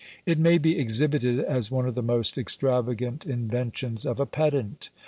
It may be exhibited as one of the most extravagant inventions of a pedant.